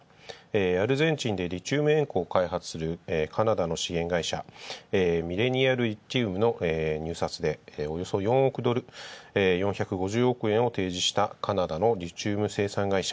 アルゼンチンでリチウムを開発するカナダの資源会社ミレニアムリチウムイオン電池のおよそ４億ドル、４５０億円を提示した、カナダの生産会社。